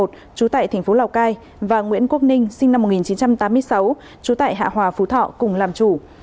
trú tại tp lào cai và nguyễn quốc ninh sinh năm một nghìn chín trăm tám mươi sáu trú tại hạ hòa tp thọ cùng làm chủ